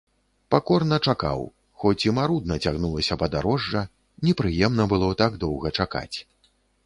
Пакорна чакаў, хоць і марудна цягнулася падарожжа, непрыемна было так доўга чакаць.